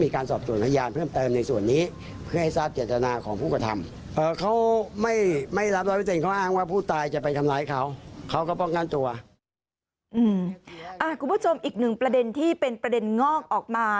คุณผู้ชมอีกหนึ่งประเด็นที่เป็นประเด็นงอกออกมา